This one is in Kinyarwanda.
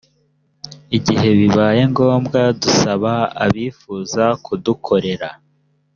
igihe bibaye ngombwa dusaba abifuza kudukorera